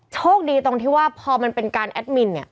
โชคดีตรงที่ว่าพอมันเป็นการแอดมินเนี่ย